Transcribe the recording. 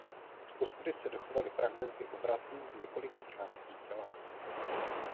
Z kostry se dochovaly fragmenty obratlů z několika částí těla.